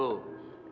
tapi begini pak